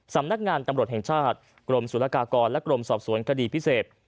สำนักงานตำรวจแห่งชาติกรมศุลกากรและกรมสอบสวนคดีพิเศษ